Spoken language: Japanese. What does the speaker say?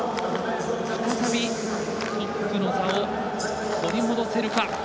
再びトップの座を取り戻せるか。